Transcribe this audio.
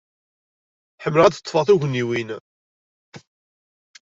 Ḥemmleɣ ad d-ḍḍfeɣ tugniwin.